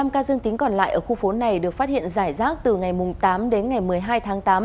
năm ca dương tính còn lại ở khu phố này được phát hiện giải rác từ ngày tám đến ngày một mươi hai tháng tám